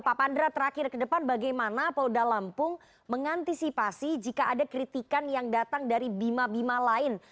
pak pandra terakhir ke depan bagaimana polda lampung mengantisipasi jika ada kritikan yang datang dari bima bima lain